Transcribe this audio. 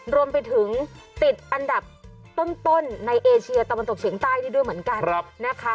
รวมไปถึงติดอันดับต้นในเอเชียตะวันตกเฉียงใต้นี่ด้วยเหมือนกันนะคะ